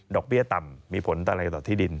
เบี้ยต่ำมีผลต่ออะไรต่อที่ดิน